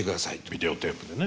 ビデオテープでね。